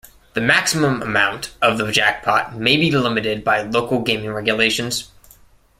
The maximum amount of the jackpot may be limited by local gaming regulations.